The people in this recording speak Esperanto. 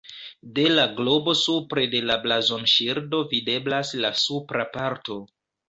De la globo supre de la blazonŝildo videblas la supra parto.